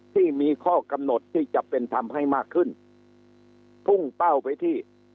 ที่มีข้อกำหนดที่จะเป็นทำให้มากขึ้นพุ่งเป้าไปที่